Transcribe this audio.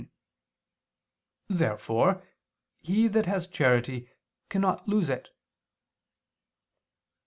Therefore he that has charity cannot lose it.